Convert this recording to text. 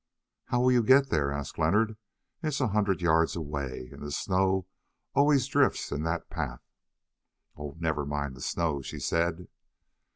"How will you get there?" asked Leonard; "it is a hundred yards away, and the snow always drifts in that path." "Oh! never mind the snow," she said.